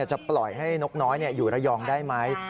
จะปล่อยให้นกน้อยอยู่ระยองได้ไหม